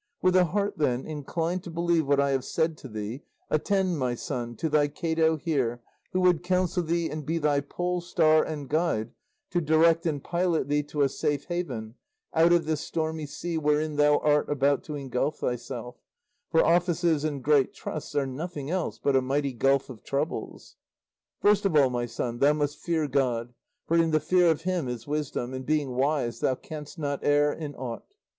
With a heart, then, inclined to believe what I have said to thee, attend, my son, to thy Cato here who would counsel thee and be thy polestar and guide to direct and pilot thee to a safe haven out of this stormy sea wherein thou art about to ingulf thyself; for offices and great trusts are nothing else but a mighty gulf of troubles. "First of all, my son, thou must fear God, for in the fear of him is wisdom, and being wise thou canst not err in aught.